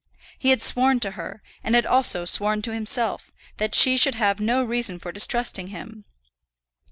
He had sworn to her, and had also sworn to himself, that she should have no reason for distrusting him.